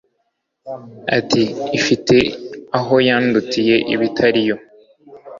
Ati Ifite aho yandutiye ibitari yo